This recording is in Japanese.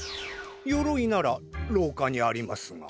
よろいならろうかにありますが。